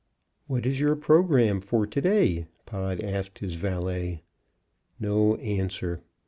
"What is your programme for to day?" Pod asked his valet. No answer.